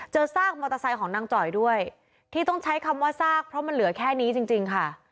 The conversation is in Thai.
ซากมอเตอร์ไซค์ของนางจ่อยด้วยที่ต้องใช้คำว่าซากเพราะมันเหลือแค่นี้จริงค่ะ